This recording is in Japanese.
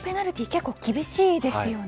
結構厳しいですよね。